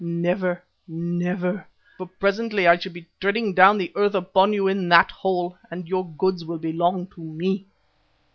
Never, never, for presently I shall be treading down the earth upon you in that hole, and your goods will belong to me."